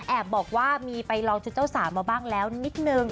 บอกว่ามีไปลองชุดเจ้าสาวมาบ้างแล้วนิดนึง